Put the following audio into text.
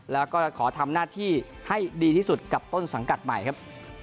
แล้วก็ขอทำหน้าที่ให้ดีที่สุดกับต้นสังกัดใหม่ครับ